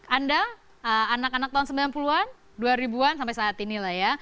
anda anak anak tahun sembilan puluh an dua ribu an sampai saat ini lah ya